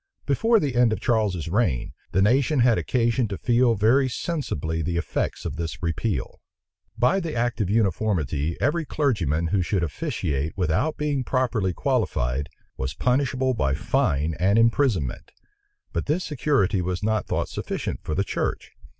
Before the end of Charles's reign, the nation had occasion to feel very sensibly the effects of this repeal. By the act of uniformity, every clergyman who should officiate without being properly qualified, was punishable by fine and imprisonment: but this security was not thought sufficient for the church.